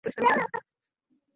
এইখানেই আহারাদি করে শয়ন করবেন।